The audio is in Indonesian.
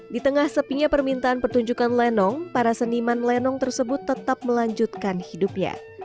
di tengah sepinya permintaan pertunjukan lenong para seniman lenong tersebut tetap melanjutkan hidupnya